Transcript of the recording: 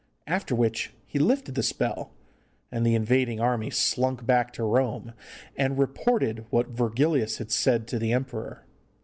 After which he lifted the spell, and the invading army slunk back to Rome, and reported what Virgilius had said to the emperor.